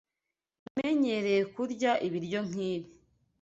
Namenyereye kurya ibiryo nkibi.